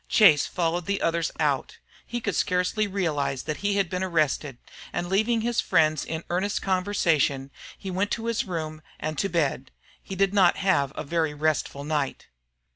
Chase followed the others out. He could scarcely realize that he had been arrested; and leaving his friends in earnest conversation, he went to his room and to bed. He did not have a very restful night.